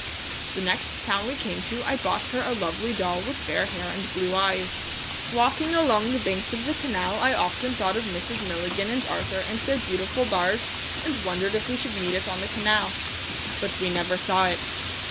The next town we came to I bought her a lovely doll with fair hair and blue eyes. Walking along the banks of the canal I often thought of Mrs. Milligan and Arthur and their beautiful barge, and wondered if we should meet it on the canal. But we never saw it.